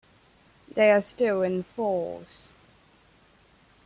They are still in force.